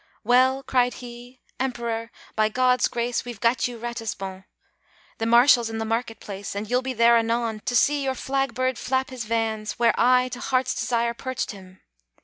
"Well," cried he, "Emperor, by God's grace We've got you Ratisbon! The Marshal's in the market place, And you'll be there anon To see your flag bird flap his vans Where I, to heart's desire, Perched him!"